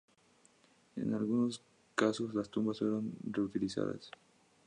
En algunos casos las tumbas fueron reutilizadas.